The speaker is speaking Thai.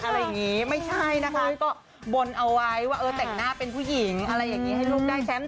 อะไรอย่างนี้ไม่ใช่นะคะก็บนเอาไว้ว่าเออแต่งหน้าเป็นผู้หญิงอะไรอย่างนี้ให้ลูกได้แชมป์